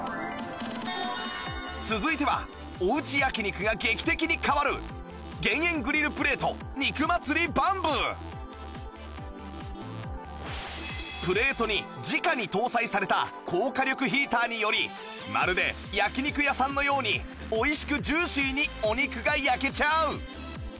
続いてはおうち焼肉が劇的に変わるプレートに直に搭載された高火力ヒーターによりまるで焼肉屋さんのように美味しくジューシーにお肉が焼けちゃう！